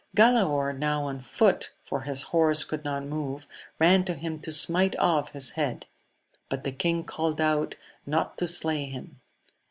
Galaor now on foot, f his horse could not move, ran to him to smite off li head ; but the king called out not to slay him.